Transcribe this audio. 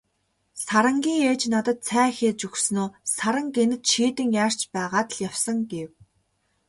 Сарангийн ээж надад цай хийж өгснөө "Саран гэнэт шийдэн яарч байгаад л явсан" гэв.